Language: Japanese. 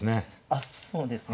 あっそうですね。